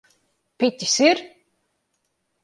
Piķis ir?